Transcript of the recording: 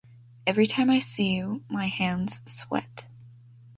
Every time I see you, my hands sweat.